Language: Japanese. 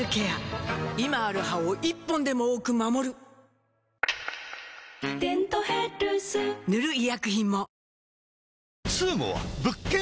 今ある歯を１本でも多く守る「デントヘルス」塗る医薬品も